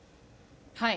はい。